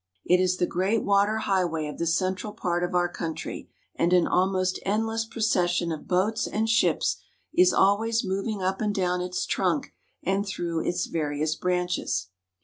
It is the great water highway of the central part of our country, and an almost endless procession of boats and ships is always moving up and down its trunk and through its various branches.